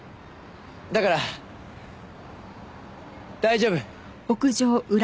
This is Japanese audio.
だから大丈夫。